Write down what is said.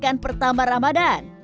pekan pertama ramadan